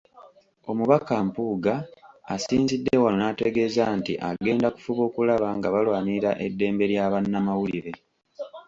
Omubaka Mpuuga asinzidde wano n'ategeeza nti agenda kufuba okulaba nga balwanirira eddembe lya bannamawulire.